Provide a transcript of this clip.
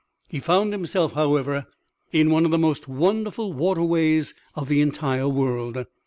He found himself, however, in one of the most wonderful waterways of the entire world.